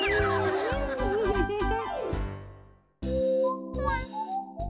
フフフフフ。